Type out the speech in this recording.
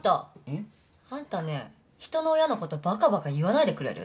ん？あんたねひとの親のことばかばか言わないでくれる？